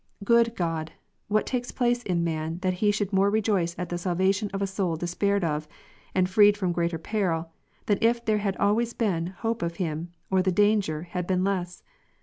Good God! what takes place in man, that he should more rejoice at the salvation of a soul despaired of, and freed from greater peril, than if there had always been hope of him, or the danger had been less